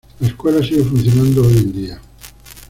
La escuela sigue funcionando hoy en día.